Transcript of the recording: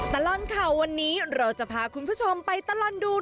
ดรควันนี้เราจะพาคุณผู้ชมไปดูเรื่องราวของ